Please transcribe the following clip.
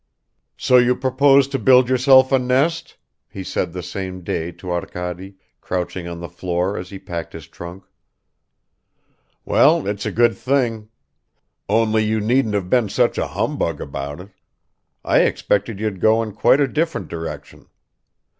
"So you propose to build yourself a nest?" he said the same day to Arkady, crouching on the floor as he packed his trunk. "Well, it's a good thing. Only you needn't have been such a humbug about it. I expected you'd go in quite a different direction.